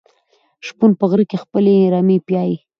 شپون په غره کې خپلې رمې پيايي.